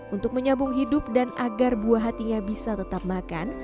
untuk menyambung hidup dan agar buah hatinya bisa tetap makan